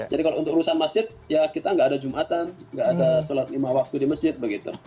jadi kalau untuk urusan masjid ya kita nggak ada jumatan nggak ada sholat imam waktu di masjid begitu